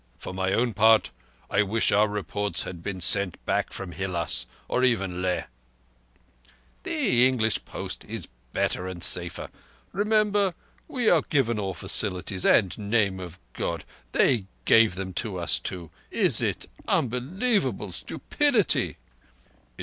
"For my own part, I wish our reports had been sent back from Hilás, or even Leh." "The English post is better and safer. Remember we are given all facilities—and Name of God!—they give them to us too! Is it unbelievable stupidity?"